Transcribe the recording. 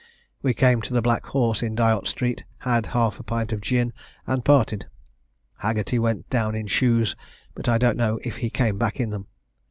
We came to the Black Horse in Dyot street, had half a pint of gin, and parted. Haggerty went down in shoes, but I don't know if he came back in them.